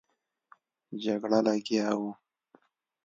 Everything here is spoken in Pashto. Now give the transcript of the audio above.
جګړه لګیا وو.